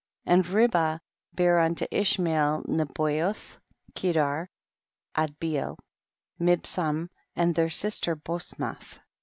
16. And Ribah bare unto Ishmael Nebayoth, Kedar, Adbecl, Mibsam and their sister Bosmath.